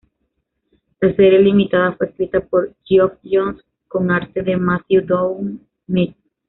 La serie limitada fue escrita por Geoff Johns, con arte de Matthew Dow Smith.